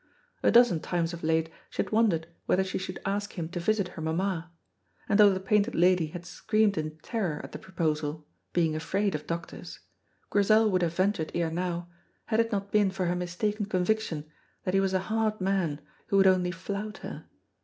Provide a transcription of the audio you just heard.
A dozen times of late she had wondered whether she should ask him to visit her mamma, and though the Painted Lady had screamed in terror at the proposal, being afraid of doctors, Grizel would have ventured ere now, had it not been for her mistaken conviction that he was a hard man, who would only flout her.